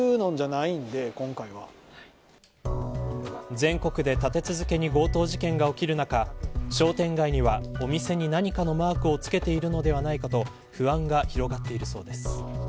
全国で立て続けに強盗事件が起きる中商店街にはお店に何かのマークをつけているのではないかと不安が広がっているそうです。